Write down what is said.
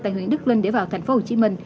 tại huyện đức linh để vào tp hcm